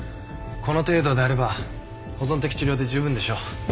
この程度であれば保存的治療で十分でしょう。